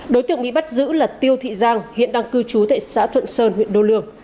đối tượng bị bắt giữ là tiêu thị giang hiện đang cư trú tại xã thuận sơn huyện đô lương